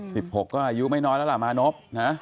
สิบหกก็อายุไม่น้อยแล้วมานบ